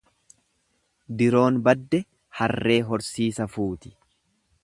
Diroon badde harree horsiisa fuuti.